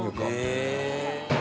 へえ。